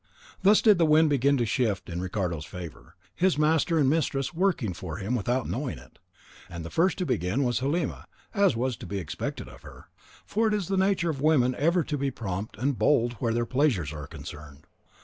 Thus did the wind begin to shift in Ricardo's favour, his master and mistress working for him without knowing it; and the first who began was Halima, as was to be expected of her, for it is the nature of women ever to be prompt and bold where their pleasures are concerned.